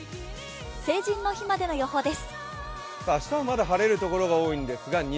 成人の日までの予報です。